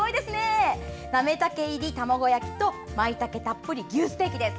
なめたけ入り卵焼きとまいたけたっぷり牛ステーキです。